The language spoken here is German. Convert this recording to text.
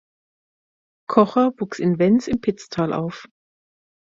Kocher wuchs in Wenns im Pitztal auf.